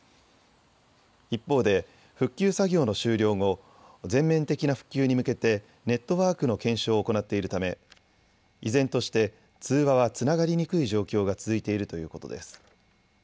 一方で復旧作業の終了後、全面的な復旧に向けてネットワークの検証を行っているため、依然として通話はつながりにくい状況が続いているということです。